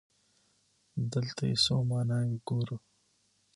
دلته يې څو ماناوې ګورو.